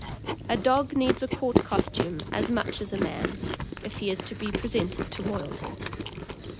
A dog needs a court costume as much as a man, if he is to be presented to royalty.